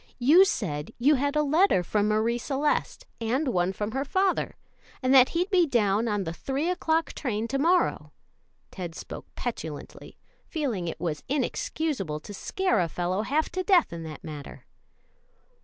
"You said you had a letter from Marie Celeste and one from her father, and that he'd be down on the three o'clock train to morrow." Ted spoke petulantly, feeling it was inexcusable to scare a fellow half to death in that manner.